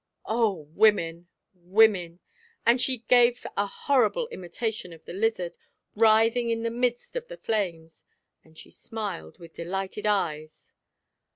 Oh! women! women! And she gave a horrible imitation of the lizard, writhing in the midst of the flames, and she smiled with delighted eyes.